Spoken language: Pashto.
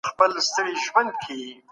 په ټولنه کي بايد بشپړ عدالت پلي سي.